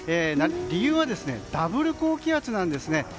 理由はダブル高気圧なんですね。